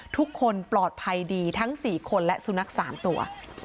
ทุกคนปลอดภัยดีทั้ง๔คนและสุนัข๓ตัว